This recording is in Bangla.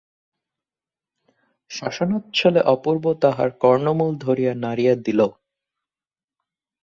শাসনচ্ছলে অপূর্ব তাহার কর্ণমূল ধরিয়া নাড়িয়া দিল।